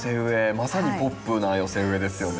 まさにポップな寄せ植えですよね。